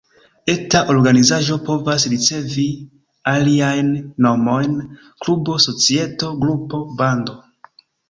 Eta organizaĵo povas ricevi aliajn nomojn: klubo, societo, grupo, bando.